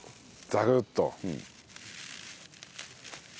ザクッと。